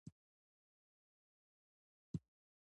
آیا کښتۍ له ټولې نړۍ هلته نه راځي؟